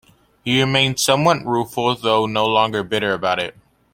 He remained "somewhat rueful, though no longer bitter" about it.